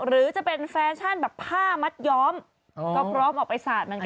หรือจะเป็นแฟชั่นแบบผ้ามัดย้อมก็พร้อมออกไปสาดเหมือนกัน